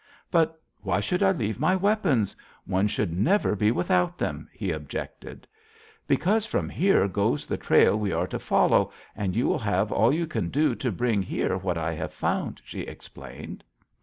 "'But why should I leave my weapons? One should never be without them,' he objected. "'Because from here goes the trail we are to follow, and you will have all you can do to bring here what I have found,' she explained.